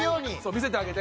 見せてあげて。